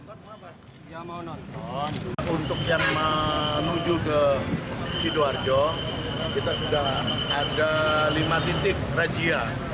di sidoarjo kita sudah ada lima titik rajia